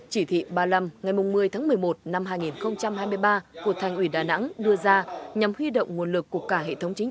chỉ thị ba mươi năm ngày một mươi tháng một mươi một năm hai nghìn hai mươi ba của thành ủy đà nẵng đưa ra nhằm huy động nguồn lực của cả hệ thống chính